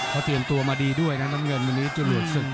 เขาเตรียมตัวมาดีด้วยนะน้ำเงินวันนี้จรวดศึก